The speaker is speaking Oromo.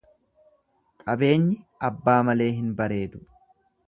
Qabeenyi abbaa malee hin bareedu.